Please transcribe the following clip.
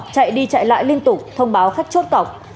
chạy đi chạy lại liên tục thông báo khách chốt cọc